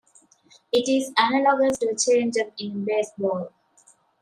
It is analogous to a changeup in baseball.